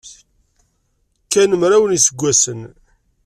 Kkan mraw n yiseggasen.